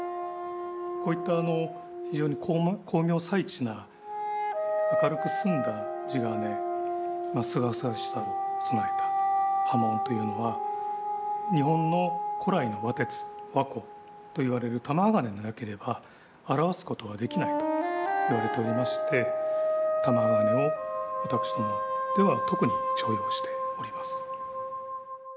こういった非常に巧妙細緻な明るく澄んだ地金すがすがしさを備えた刃文というのは日本の古来の和鉄和鋼といわれる玉鋼でなければ表すことができないといわれておりまして玉鋼を私どもでは特に重用しております。